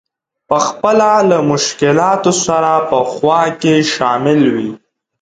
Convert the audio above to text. په خپله له مشکلاتو سره په خوا کې شامل وي.